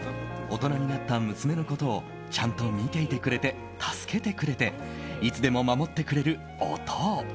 大人になった娘のことをちゃんと見ていてくれて助けてくれていつでも守ってくれる、おとう。